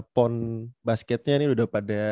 pon basketnya ini udah pada